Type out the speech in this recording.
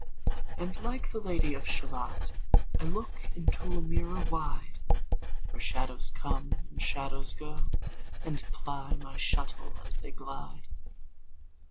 And like the Lady of Shalott I look into a mirror wide, Where shadows come, and shadows go, And ply my shuttle as they glide.